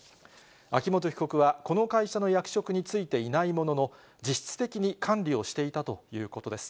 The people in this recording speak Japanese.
秋本被告は、この会社の役職についていないものの、実質的に管理をしていたということです。